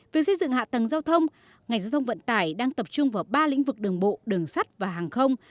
về xây dựng hạ tầng giao thông ngành giao thông vận tải đang tập trung vào ba lĩnh vực đường bộ đường sắt và hàng không